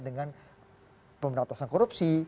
dengan pemerintahan korupsi